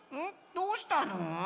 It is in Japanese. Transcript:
どうしたの？